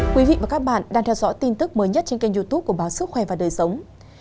các bạn đang theo dõi tin tức mới nhất trên kênh youtube của báo sức khỏe và đời sống